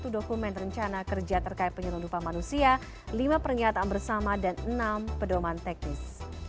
satu dokumen rencana kerja terkait penyelundupan manusia lima pernyataan bersama dan enam pedoman teknis